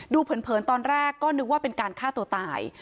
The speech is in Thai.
เผินตอนแรกก็นึกว่าเป็นการฆ่าตัวตาย